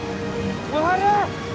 小春！